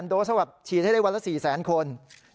๔๐๐๐๐๐โดสฉีดให้ได้วันละ๔๐๐๐๐๐คน